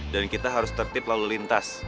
dan kita harus tertib lalu lintas